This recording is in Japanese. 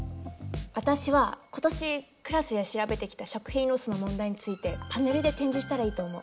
私は今年クラスで調べてきた食品ロスの問題についてパネルで展示したらいいと思う。